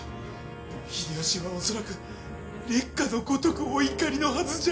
秀吉はおそらく烈火のごとくお怒りのはずじゃ。